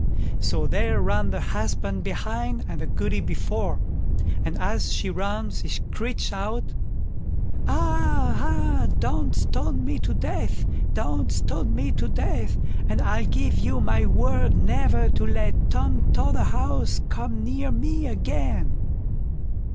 So there ran the husband behind and the Goody before; and as she ran she screeched out: "Ah! ah! don't stone me to death; don't stone me to death! and I'll give you my word never to let Tom Totherhouse come near me again."